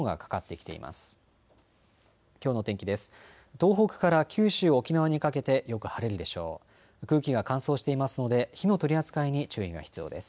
きょうの天気です。